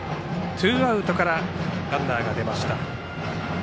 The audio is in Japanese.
ツーアウトからランナー出ました。